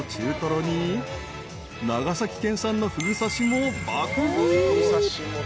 ［長崎県産のふぐ刺しも爆食い］